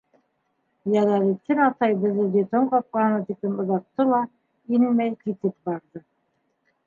Йәләлетдин атай беҙҙе детдом ҡапҡаһына тиклем оҙатты ла, инмәй, китеп барҙы.